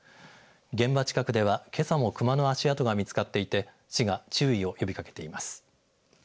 現場近くでは、けさもクマの足跡が見つかっていて市が注意を呼びかけています。